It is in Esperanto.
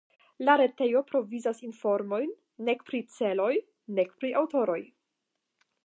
La retejo provizas informojn nek pri celoj, nek pri aŭtoroj.